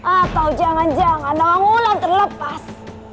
atau jangan jangan orang ulang terlepas